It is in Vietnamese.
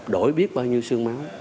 đổi biết bao nhiêu sương mắng